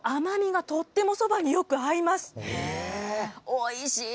おいしい。